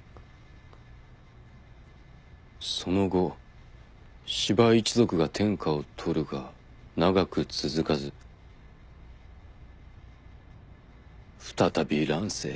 「その後司馬一族が天下を取るが長く続かず再び乱世へ」